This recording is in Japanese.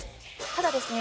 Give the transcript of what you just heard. ただですね